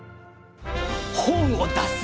本を出す！